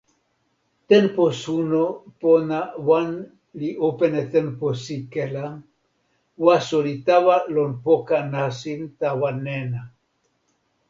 tenpo suno pona wan li open e tenpo sike la, waso li tawa lon poka nasin tawa nena.